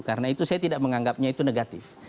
karena itu saya tidak menganggapnya itu negatif